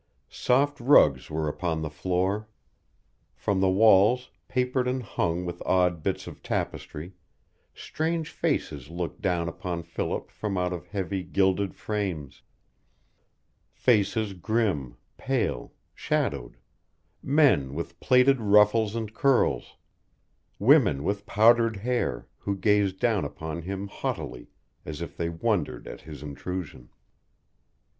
Soft rugs were upon the floor; from the walls, papered and hung with odd bits of tapestry, strange faces looked down upon Philip from out of heavy gilded frames; faces grim, pale, shadowed; men with plaited ruffles and curls; women with powdered hair, who gazed down upon him haughtily, as if they wondered at his intrusion.